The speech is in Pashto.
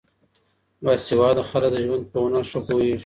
با سواده خلګ د ژوند په هنر ښه پوهېږي.